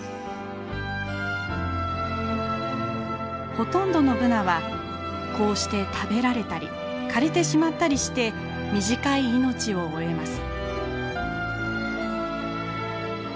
ほとんどのブナはこうして食べられたり枯れてしまったりして短い命を終えます。